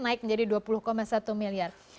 naik menjadi dua puluh satu miliar